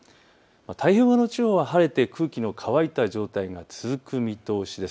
太平洋側の地方は晴れて空気が乾いた状態が続く見通しです。